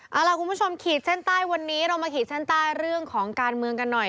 เอาล่ะคุณผู้ชมขีดเส้นใต้วันนี้เรามาขีดเส้นใต้เรื่องของการเมืองกันหน่อย